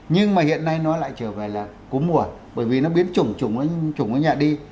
nhưng mà hiện nay nó lại trở về là cúm mùa bởi vì nó biến chủng chủng nó nhẹ đi